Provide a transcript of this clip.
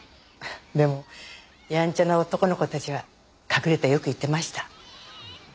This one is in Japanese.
でもやんちゃな男の子たちは隠れてよく行ってました。